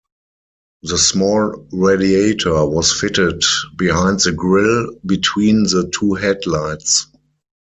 The small radiator was fitted behind the grill between the two headlights.